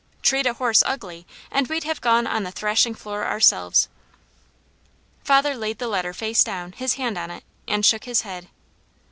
Treat a horse ugly, and we'd have gone on the thrashing floor ourselves. Father laid the letter face down, his hand on it, and shook his head.